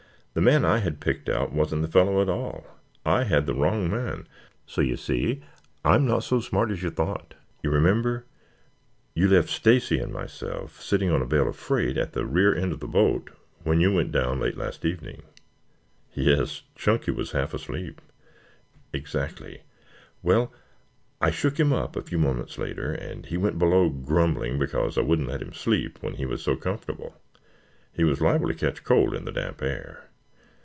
The man I had picked out wasn't the fellow at all. I had the wrong man, so you see I am not so smart as you thought. You remember you left Stacy and myself sitting on a bale of freight at the rear end of the boat when you went down late last evening?" "Yes. Chunky was half asleep." "Exactly. Well, I shook him up a few moments later and he went below grumbling because I wouldn't let him sleep when he was so comfortable. He was liable to catch cold in the damp air.